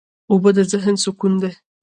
اوبه د ذهن سکون دي.